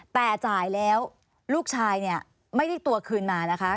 แต่จ่ายแล้วลูกชายเนี่ยไม่ได้ตัวคืนมานะคะ